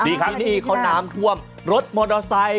ที่นี่เขาน้ำถวมรถมอเตอร์ไซส์